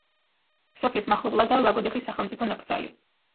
სოფლის მახლობლადაა ლაგოდეხის სახელმწიფო ნაკრძალი.